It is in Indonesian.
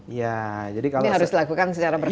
ini harus dilakukan secara berkala